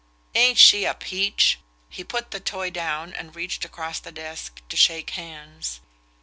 "Ain't she a peach?" He put the toy down and reached across the desk to shake hands.